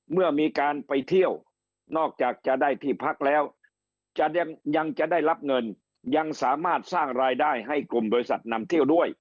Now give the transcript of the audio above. เมื่อมีการไปเที่ยวนอกจากจะได้ที่พักแล้วจะยังจะได้รับเงินยังสามารถสร้างรายได้ให้กลุ่มบริษัทนำเที่ยวด้วย